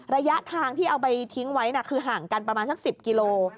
ระยะทางที่เอาไปทิ้งไว้คือห่างกันประมาณสัก๑๐กิโล